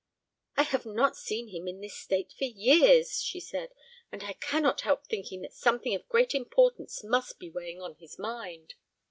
"I have not seen him in this state for years," she said; "and I cannot help thinking that something of great importance must be weighing upon his mind."